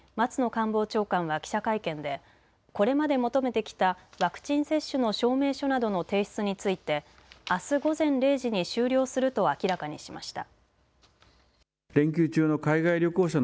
官房長官は記者会見でこれまで求めてきたワクチン接種の証明書などの提出についてあす午前０時に終了すると明らかにしました。